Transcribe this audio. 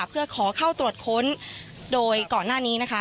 เพื่อขอเข้าตรวจค้นโดยก่อนหน้านี้นะคะ